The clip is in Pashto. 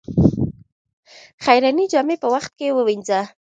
خيرنې جامې په وخت ووينځه